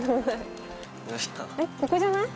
ここじゃない？